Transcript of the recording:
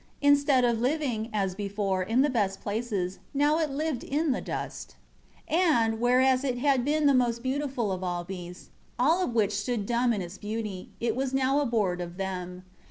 Instead of living, as before, in the best places, now it lived in the dust. 5 And, whereas it had been the most beautiful of all beasts, all of which stood dumb at its beauty, it was now abhorred of them.